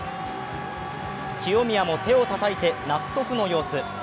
清宮も手をたたいて納得の様子。